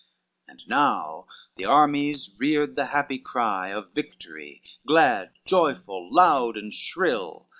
CI And now the armies reared the happy cry Of victory, glad, joyful, loud, and shrill.